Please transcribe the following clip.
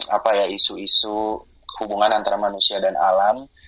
apa ya isu isu hubungan antara manusia dan alam